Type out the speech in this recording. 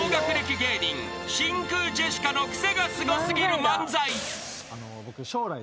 芸人真空ジェシカのクセがスゴ過ぎる漫才］